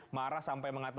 marah sampai mengatakan